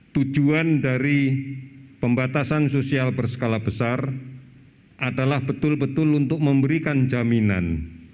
tujuan dari pembatasan sosial berskala besar adalah betul betul untuk memberikan jaminan